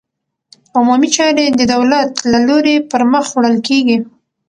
عمومي چارې د دولت له لوري پرمخ وړل کېږي.